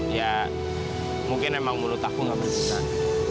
ya mungkin emang mulut aku gak berjalan